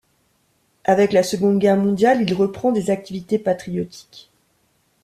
Avec la Seconde Guerre mondiale, il reprend des activités patriotiques.